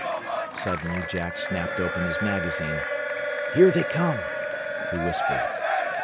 Suddenly Jack snapped open his magazine. "Here they come!" he whispered.